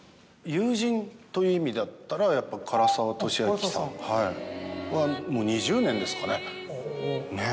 友人という意味だったらやっぱ唐沢寿明さんはもう２０年ですかね。